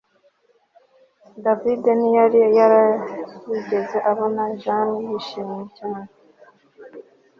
David ntiyari yarigeze abona Jane yishimye cyane